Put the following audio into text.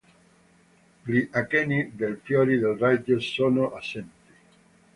Gli acheni dei fiori del raggio sono assenti.